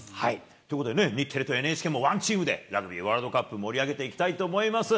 ということで、日テレとＮＨＫも、ＯＮＥＴＥＡＭで、ラグビーワールドカップ盛り上げていきたいと思います。